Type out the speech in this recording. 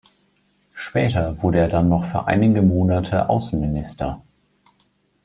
Später wurde er dann noch für einige Monate Außenminister.